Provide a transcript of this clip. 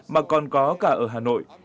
mà còn có cả ở hà nội